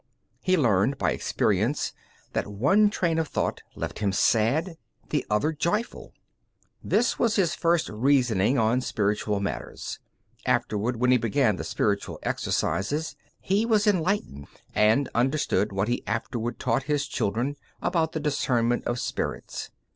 He learned by experience that one train of thought left him sad, the other joyful. This was his first reasoning on spiritual matters. Afterward, when he began the Spiritual Exercises, he was enlightened, and understood what he afterward taught his children about the discernment of spirits.